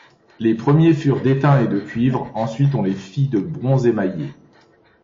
Les premiers furent d'étain et de cuivre, ensuite on les fit de bronze émaillé.